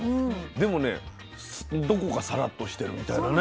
でもねどこかさらっとしてるみたいなね。